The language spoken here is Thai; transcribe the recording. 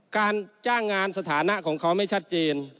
การจ้างงานสถานะของเขาไม่ชัดเจน